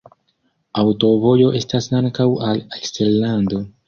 Aŭtovojo estas ankaŭ al eksterlando.